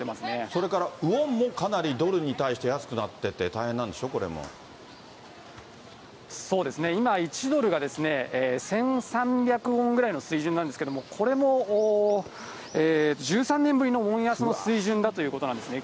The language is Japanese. それからウォンもかなりドルに対して安くなってて大変なんでそうですね、１ドルが１３００ウォンぐらいの水準なんですけど、１３年ぶりのウォン安の水準だということなんですね。